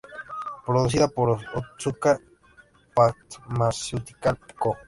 Producido por Otsuka Pharmaceutical Co.